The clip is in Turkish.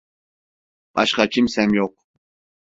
Başka kimsem yok.